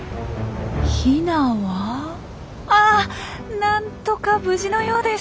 ヒナはあなんとか無事のようです！